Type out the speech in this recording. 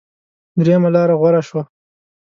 درېمه لاره غوره شوه.